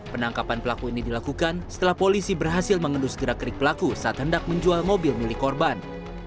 penangkapan pelaku ini dilakukan setelah polisi berhasil mengendus gerak gerik pelaku saat hendak menjual mobil milik korban